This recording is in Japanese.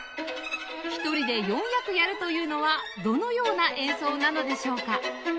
１人で４役やるというのはどのような演奏なのでしょうか？